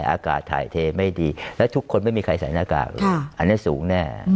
อากาศถ่ายเทไม่ดีและทุกคนไม่มีใครใส่หน้ากากอันนี้สูงแน่